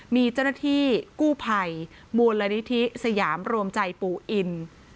มีเจ้าหน้าที่กู้ภัยมูลนิธิสยามรวมใจปู่อิน